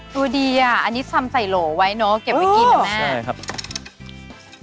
ดูดีอ่ะอันนี้ซำใส่โหลไว้เนอะเก็บไปกินนะแม่